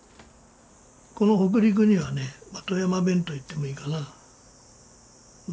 この北陸にはね富山弁と言ってもいいかな。